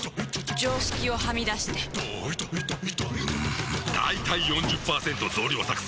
常識をはみ出してんだいたい ４０％ 増量作戦！